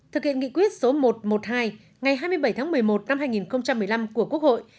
thực hiện nghị quyết số một trăm một mươi hai ngày hai mươi bảy tháng một mươi một năm hai nghìn một mươi năm của quốc hội